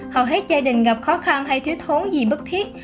hầu hết gia đình gặp khó khăn hay thiếu thốn gì bất thiết